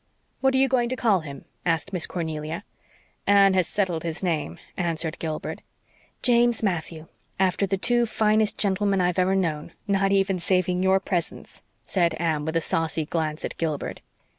"What are you going to call him?" asked Miss Cornelia. "Anne has settled his name," answered Gilbert. "James Matthew after the two finest gentlemen I've ever known not even saving your presence," said Anne with a saucy glance at Gilbert.